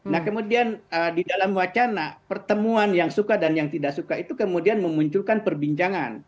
nah kemudian di dalam wacana pertemuan yang suka dan yang tidak suka itu kemudian memunculkan perbincangan